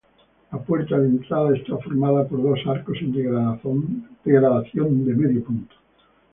La puerta de entrada está formada por dos arcos en degradación de medio punto.